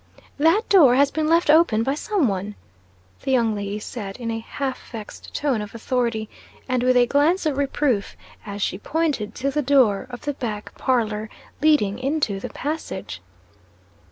"That door has been left open by some one," the young lady said, in a half vexed tone of authority, and with a glance of reproof, as she pointed to the door of the back parlor leading into the passage.